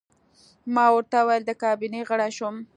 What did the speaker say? ما ورته وویل: د کابینې غړی شوم.